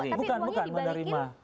tapi uangnya dibalikin